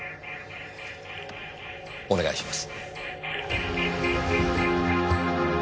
お願いします。